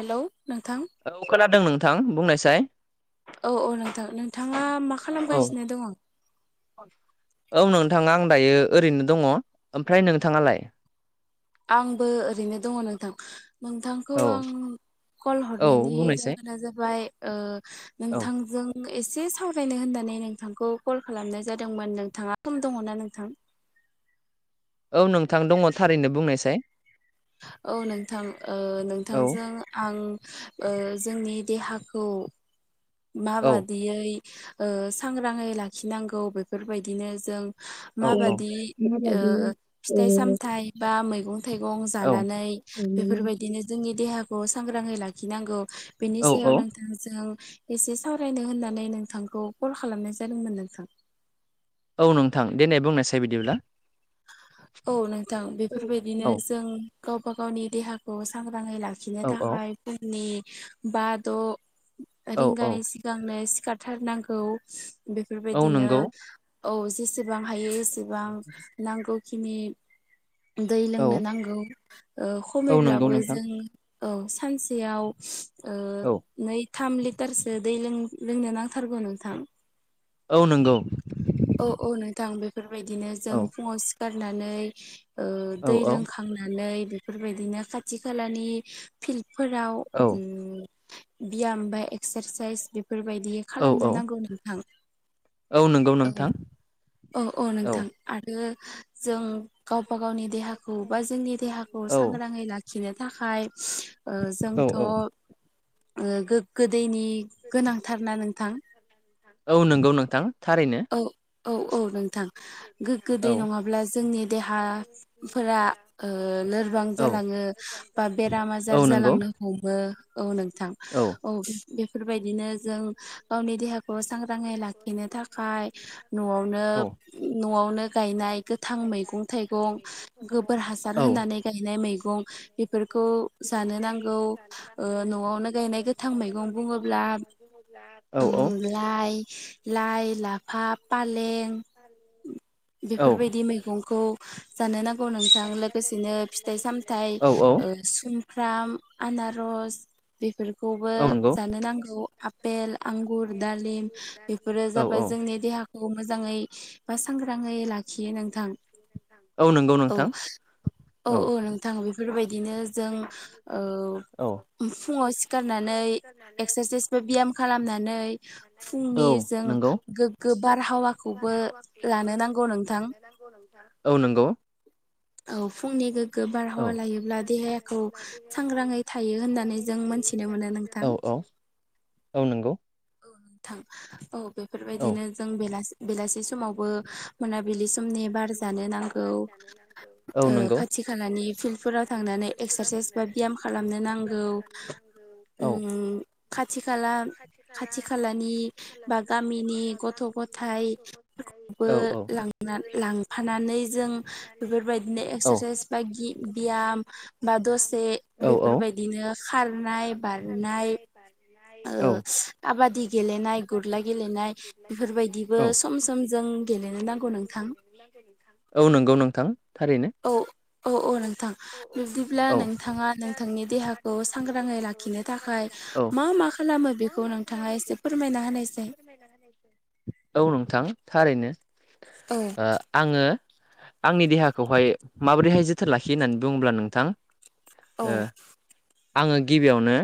Hello नोंथां औ खोनादों नोंथां बुंनायसाय औ औ नोंथां नोंथाङा मा औ खालामगासिनो दङ? औ नोंथाङा आं दायो ओरैनो दङ ओमफ्राय नोंथाङालाय आंबो ओरैनो दङ नोंथां नोंथांखौ औ आं कल औ हरनायनि बुंनायसाय जाहोना जाबाय ओ औ नोंथांजों ए से सावरायनो होननानै नोंथांखौ कल खालामनाय जादोंमोन नोंथाङा सम दङना नोंथां? [inaudible] औ नोंथां दङ थारैनो बुंनायसाय औ नोंथां ओ औ नोंथांजों आं जोंनि देहाखौ औ माबादियै ओ सांग्राङै लाखिनांगौ बेफोरबायदिनो जों औ माबादि ओ फिथाइ सामथाइ बा मै गं थाइगं औ जानानै बेफोरबायदिनो जोंनि देहाखौ सांग्राङै लाखिनांगौ। बेनि औ सायाव औ नोंथांजों एसे सावरायनो होननानै नोंथांखौ कल खालामनाय जादोंमोन नोंथां। औ नोंथां देनाय बुंनायसाय बिदिब्ला औ नोंथां बेफोरबायदिनो औ जों गावबा गावनि देहाखौ सां गोबाङै लाखिनो औ औ थाखाय फुंनि बा, द' औ औ रिंगानि सिगांनो सिखारथारनांगौ औ बेफोरबायदिनो नंगौ औ जेसेबां हायो एसेबां नांगौखिनि दै औ लोंनो नांगौ ओ औ नंगौ खमैब्लाबो नोंथां जों औ सानसेयाव ओ औ नै थाम लिटारसो दै लो लोंनो नांथारगौ नोंथां। औ नंगौ। औ औ नोंथां बेफोरबायदिनो जों औ फुङाव सिखारनानै ओ औ दै औ लोंखांनानै बेफोरबायदिनो खाथि खालानि फिल्डफोराव औ उम बियाम बा एक्सारसाइस बेफोरबायदि औ खालामनो औ नांगौ नोंथां औ नों औ औ औ नोंथां आरो जों गाव गावबा गावनि देहाखौ बा जोंनि देहाखौ औ सांग्राङै लाखिनो थाखाय औ जोंथ' औ गोग्गो दैनि गोनांथार ना नोंथां? औ नंगौ नोंथां थारैनो औ औ औ नोंथां गोग्गो दै औ नङाब्ला जोंनि देहाफोरा ओ लोरबां औ जालाङो बा बेराम आजार औ नंगौ जालांनो हमो औ नोंथां औ बेफोरबायदिनो जों गावनि देहा खौ सांग्राङै लाखिनो थाखाय। औ न'वावनो गायनाय गोथां मैगं थाइगं गोबोर हा हासार औ होनानै गायनाय मैगं बेफोरखौ जानो नांगौ ओ न'आवनो गायना -नाय गोथां मैगं बुङोब्ला औ लाइ ला हा पालें औ बेफोरबायदि मैगंखौ जानो नांगौ नोंथां लोगोसेनो फिथाइ सामथाइ औ औ ओ सुमफ्राम आनारस बेफोर खौबो औ नंगौ जानो नांगौ आपेल आंगुर दालिम बेफोरो औ जाबाय औ जोंनि देहाखौ मोजाङै बा सांग्रांयै लाखियो नोंथां औ नंगौ नोंथां औ औ-औ-औ नोंथां बिदिनो जों औ फुङाव सिखारनानै एक्सारसाइस बा बियाम खालामनानै औ फुंनि जों नंगौ गोग्गो बारहावाखौबो लानो नांगौ नोंथां औ नंगौ औ फुंनि गोग्गो औ बारहावा लायोब्ला देहाखौ सांग्राङै थायो होननानै जों मोनथिनो मोनो नोंथां औ औ औ नंगौ थां औ औ बेफोरबायदिनो जों बेला बेलासि समावबो मोनाबिलि समनि बार जानो नांगौ औ नंगौ खाथि खालानि फिल्डफोराव थांनानै एक्सारसाइस बा बियाम खालामनो नांगौ औ खाथि खाला खाथि खालानि बा गामिनि गथ' गथाय औ औ लांना लांफानानै जों बेफोरबायदिनो औ एक्सारसाइस गि बियाम बा दसे औ बेफोरबायदिनो खारनाय बारनाय औ काबादि गेलेनाय गुरला गेलेनाय बेफोरबायदिबो औ सम सम जों गेले [unintelligible] औ नंगौ नोंथां थारैनो औ-औ नोंथां बिब्दिब्ला औ नोंथाङा नोंथांनि देहाखौ सांग्राङै लाखिनो थाखाय औ मा मा खालामो बेखौ मा-मा नोंथाङा खालामो एसे बेखौ फोरमायना नोंथाङा एसे होनायसै फोरमायना होनै औ नोंथां थारैनो औ आङो आंनि देहाखौहाय माबोरैहाय जोथोन लाखियो होननानै बुङोब्ला नोंथां औ ओ आङो गिबियावनो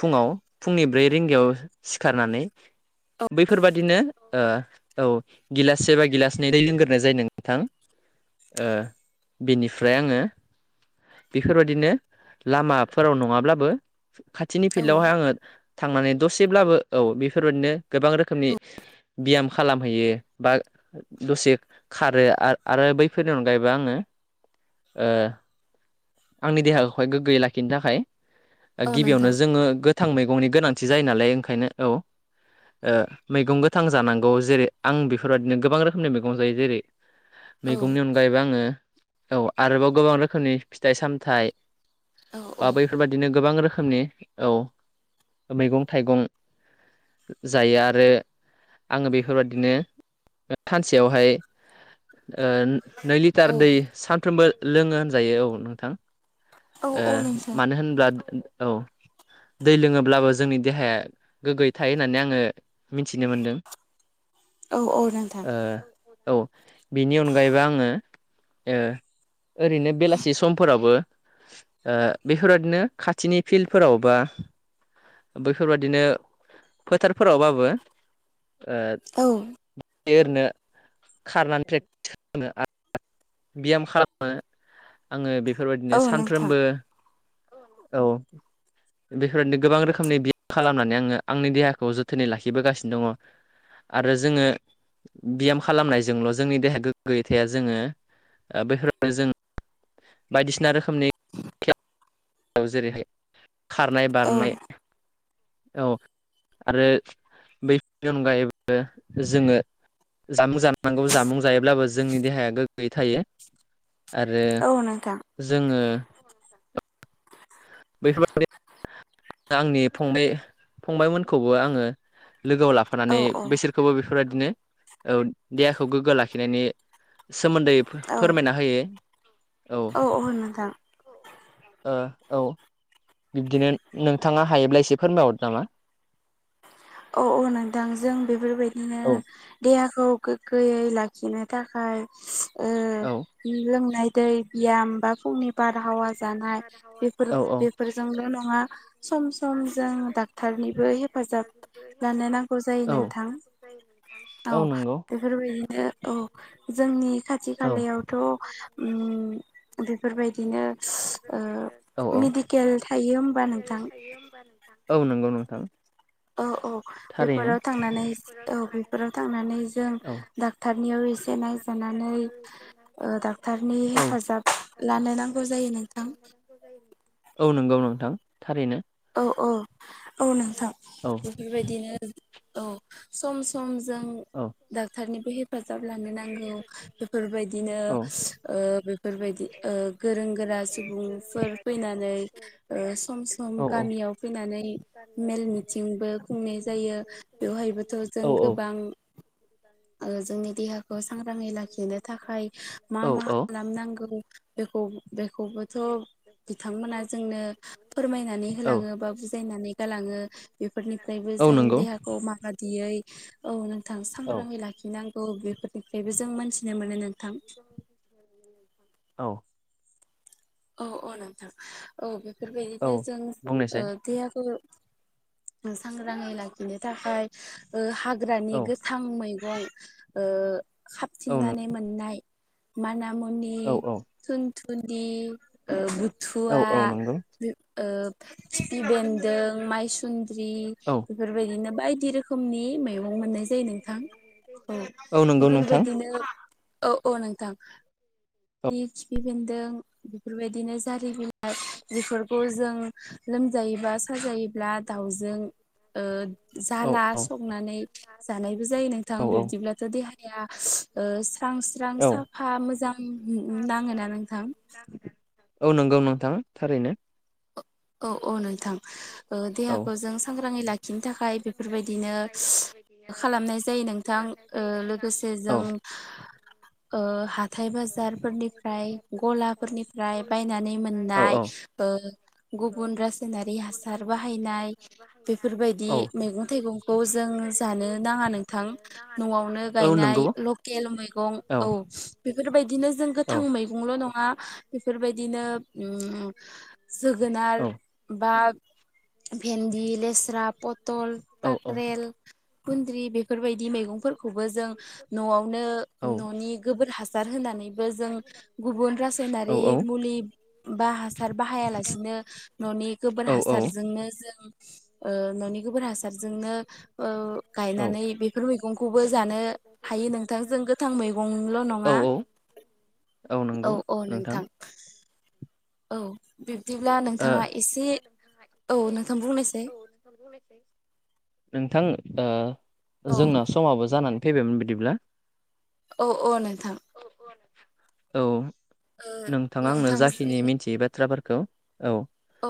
फुङाव फुंनि ब्रै रिंगायाव सिखारनानै बैफोरबादिनो ओ औ गिलास सेबा गिलासनै दै लोंग्रोनाय जायो नोंथां ओ बेनिफ्राय आङो बेफोरबायदिनो लामाफोराव नङाब्लाबो खाथिनि औ फिल्डआवहाय आङो थांनानै दसेब्लाबो औ बेफोरबायदिनो गोबां रोखोमनि औ ब्याम खालामहैयो बा दसे खारो आरो आरो बैफोरनि अनगायैबो आङो ओ आंनि देहाखौहाय गोग्गोयै लाखिनो थाखाय औ गिबियावनो नोंथां जोङो गोथां मैगंनि गोनांथि जायो नालाय ओंखायनो औ मैगं गोथां जानांगौ जेरै आं बेफोरबायदिनो गोबां रोखोमनि मैगं जायो जेरै औ मैगंनि अनगायैबो आङो औ आरोबाव गोबां रोखोमनि फिथाइ सामथाइ औ बा औ बैफोरबायादिनो गोबां रोखोमनि औ मैगं थाइगं जायो आरो आङो बेफोरबादिनो सानसेयावहाय नै लिटार औ दै सानफ्रोमबो लोङो होनजायो औ नोंथां औ औ नोंथां मानो होनब्ला औ दै लोङोब्लाबो जोंनि देहाया गोग्गोयै थायो होननानै आङो मिथिनो मोनदों औ औ नोंथां औ बेनि अनगायैबो आङो ओरैनो बेलासि समफोरावबो बेफोरबाददिनो खाथिनि फिल्डफोराव बा बेैफोरबाददिनो फोथारफोरावबाबो औ एरनो खारनानै प्रेक्टिसो आरो बियाम खालामो आङो बेफोरबायदिनो औ नोंथां सानफ्रोमबो औ बेफोरबायदिनो गोबां रोखोमनि बियाम खालामनानै आङो आंनि देहाखौ जोथोनै लाखिबोगासिनो दङ आरो जोङो ब्याम खालामनायजोंल' जोंनि देहाया गोग्गोयै थाया जोङो बेफोरनो जों बायदिसिना रोखोमनि खेला जेरैहाय खारनाय औ बारनाय औ आरो बैफोरनि अनगायैबो जोङो जामुं जानांगौ जामुं जायोब्लाबो जोंनि देहाया गोग्गोयै थायो आरो औ नोंथां जोङो बेफोरबादि आंनि फंनै फंबायमोनखौबो आङो लोगोआव लाफानानै औ औ बिसोरखौबो बेफोरबादिनो औ देहाखौ गोग्गो लाखिनायनि सोमोन्दै औ फोरमायना होयो औ औ मोजां औ बिब्दिनो नोंथाङा हायोब्ला एसे फोरमायहरदो नामा औ औ नोंथां जों बेफोरबायदिनो औ देहाखौ गोग्गोयै लाखिनो थाखाय औ लोंनाय दै बियाम बा फुंनि बारहावा जानाय बेफोर बेफोरजोंल' नङा सम सम जों दाग डक्टारनिबो हेफाजाब लानो नांगौ जायो नोंथां। औ बेफोरबायदिनो औ जोंनि खाथि औ खालायावथ' बेफोरबायदिनो ओ औ औ मेडिकेल थायो होमबा नोंथां औ नंगौ नोंथां [inaudible] औ औ थारैनो बेफोराव थांनानै औ बेफोराव थांनानै जों औ डक्टरनियाव एसे नाव थांनानै डक्टारनि औ हेफाजाब लानो नांगौ जायो। जायो नोंथां। औ नंगौ नोंथां थारैनो औ औ औ नोंथां औ बेफोरबायदिनो औ सम सम जों औ डाक्टरनिबो हेफाजाब लानो नांगौ। बेफोरबायदिनो औ बेफोरबायदि गोरों गोरा सुबुंफोर फैनानै सम सम औ गामि याव फैनानै मेल मिथिंबो खुंनाय जायो बेवहायबोथ' जों औ गोबां जोंनि देहा सांग्राङै लाखिनो थाखाय मा औ मा औ खालामनांगौ? खौबोथ' बिथांमोना जोंनो फोरमायनानै औ होलाङो बा बुजियनानै गलाङो बेनिफ्राय औ जों नंगौ देहाखौ मा दियै औ नोंथां औ सांग्राङै लाखिनांगौ बेफोरनिफ्रायबो जों मोनथिनो मोनो नोंथां। थां [unintelligible] औ औ औ नोंथां औ औ बेफोरबायदिनो जों बुंनायसाय देहाखौ सांग्राङै लाखिनो थाखाय हाग्रानि औ गोथां मैगं औ खाबथिंनानै मोननाय मानि मुनि औ नि औ औ औ बुथुवा नंगौ खिफि बेन्दों मायसुन्द्रि औ बेफोरबायदिनो बायदि रोखोमनि मैंगं मोननाय जायोमोन नोंथां औ नंगौ नोंथां बेफोरबायदिनो औ औ नोंथां। औ खिफि बेेन्दों बेफोरबायदिनो जारि बिलाइ बेफोरखौ जों लोमजायोबा साजायोब्ला दाउजों औ जाला औ संनानै जानायबो जायो नोंथां औ बिब्दिब्लाथ' देहाया स्रां स्रां औ साफा मोजां नाङोना नोंथां? औ नंगौ नोंथां थारैनो औ औ नोंथां ओ औ देहाखो जों सांग्राङै ला खिनो थाखाय बेफोरबायदिनो खालामनाय जायो नोंथां ओ लोगोसे जों औ [inaudible] ओ हाथाय बाजारफोरनिफ्राय गलाफोरनिफ्राय बायनानै औ मोननाय औ ओ गुबुन रासायनारि हासार बाहायनाय बेफोरबाय औ मैगं थाइगंखौ जों जानो नाङा नोंथां न'वावनो औ नंगौ गायनाय लकेल मै गं औ बेफोरबायदिनो जों औ गोथां मैगंल' नङा बेफोरबायदिनो उम औ जोगोनार बा भेन्दि, लेस्रा, प टल औ काक्रेल, कुन्द्रि बेफोरबायदि मैगंफोरखौ बो जों न'वावनो औ न'नि गोबोर हासार होनानै बो जों गुबुन रासायनारि मुलि बा हासार बाहायालासिनो न'नि गोबोर औ औ हासारजोंनो जों ओ न'नि गोबोर हासारजोंनो ओ औ गायनानै बेफोर खौबो जानो हायो नोंथां जों गोथां मैगंल' औ नङा औ औ नोंथां औ बिब्दिब्ला ओ नोंथाङा एसे औ नोंथां बुंनायसाय नोंथां ओ औ जोंना समाबो जानानै फैबायमोन बिदिब्ला औ औ नोंथां औ ओ नोंथाङा आंनो जाखिनि नोंथांजों मिथियै बाथ्राफोरखौ औ औ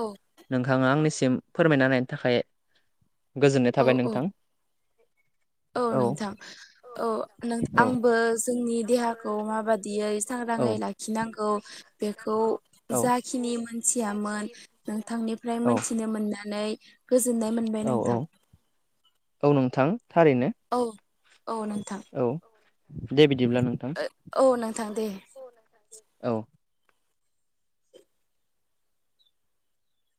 नोंथाङा आंनिसिम फोरमायना होनायनि थाखाय गोजोननाय औ थाबाय औ नोंथां। औ नोंथां औ औ आंबो जोंनि देहाखौ माबा दियै सांग्राङै औ लाखिनांगौ बेखौ औ जाखिनि मोनथियामोन नोंथांनिफ्राय औ मोनथिनो मोननानै गोजोननाय मोनबाय औ औ नोंथां। औ नोंथां थारैनो औ औ नोंथां औ। दे बिदिब्ला नोंथां। थां दे औ